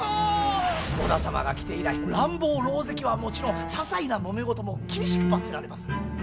織田様が来て以来乱暴狼藉はもちろんささいなもめ事も厳しく罰せられます。